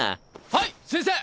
はい先生！